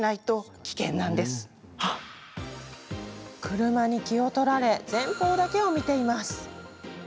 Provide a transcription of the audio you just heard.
車に気を取られ前方だけを見ています。